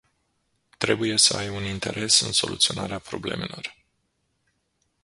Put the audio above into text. Trebuie să ai un interes în soluționarea problemelor.